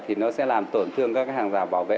thì nó sẽ làm tổn thương các hàng rào bảo vệ